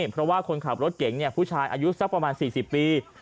เพราะว่าคนขับรถเก่งผู้ชายอายุสักประมาณ๔๐ปี